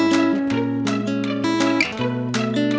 คุณซูอามิตรธรรมดา